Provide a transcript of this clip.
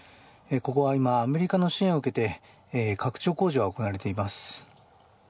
ここは今、アメリカの支援を受けて拡張工事が行われています。